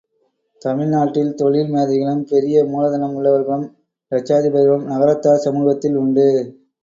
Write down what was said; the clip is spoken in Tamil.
தமிழ் நாட்டில் தொழில் மேதைகளும், பெரிய மூலதனம் உள்ளவர்களும் இலட்சாதிபதிகளும் நகரத்தார் சமூகத்தில் உண்டு.